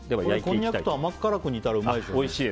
こんにゃくと甘辛く煮たらうまいでしょうね？